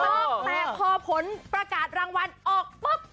ถูกต้องแต่พอผลประกาศรางวัลออกปุ๊บ